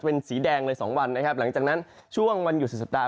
เป็นสีแดงเลยสองวันนะครับหลังจากนั้นช่วงวันหยุดสุดสัปดาห